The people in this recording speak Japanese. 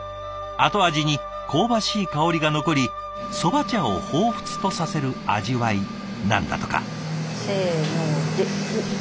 後味に香ばしい香りが残り蕎麦茶をほうふつとさせる味わいなんだとか。